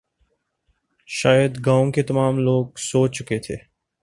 شاید گاؤں کے تمام لوگ سو چکے تھے